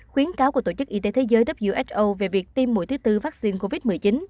khuyến cáo của tổ chức y tế thế giới who về việc tiêm mũi thứ bốn vắc xin covid một mươi chín